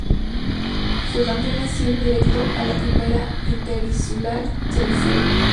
Su campeón asciende directo a Primera Interinsular-Tenerife.